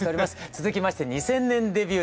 続きまして２０００年デビュー